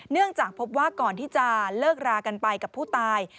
เนื่องจากพบว่าก่อนที่จะเลิกรากันไปกับผู้ตาย